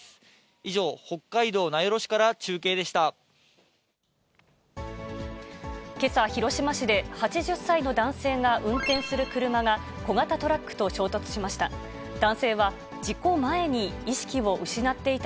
以上、けさ、広島市で８０歳の男性が運転する車が、小型トラックと衝突しました。